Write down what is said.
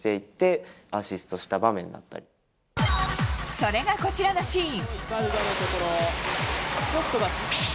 それが、こちらのシーン。